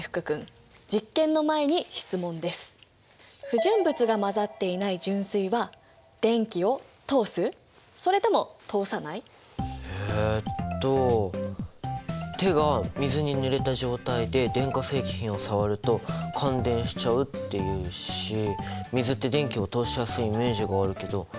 不純物が混ざっていないえっと手が水にぬれた状態で電化製品を触ると感電しちゃうっていうし水って電気を通しやすいイメージがあるけど。